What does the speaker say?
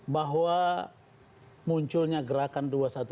bahwa munculnya gerakan dua ratus dua belas